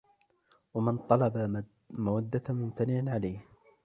وَمَنْ طَلَبَ مَوَدَّةَ مُمْتَنِعٍ عَلَيْهِ